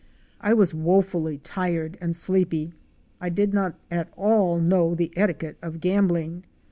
I was wofully tired and sleepy. I did not at all know the etiquette of gambling!